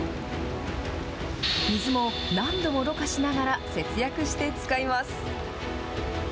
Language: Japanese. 水も何度もろ過しながら節約して使います。